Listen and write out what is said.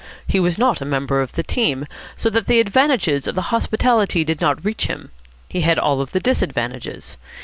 He was not a member of the team, so that the advantages of the hospitality did not reach him. He had all the disadvantages.